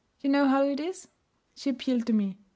You know how it is?' She appealed to me.